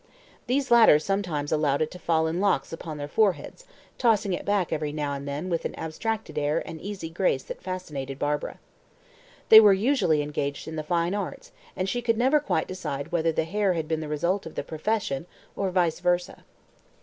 These latter sometimes allowed it to fall in locks upon their foreheads, tossing it back every now and then with an abstracted air and easy grace that fascinated Barbara. They were usually engaged in the Fine Arts, and she could never quite decide whether the hair had been the result of the profession, or vice versa.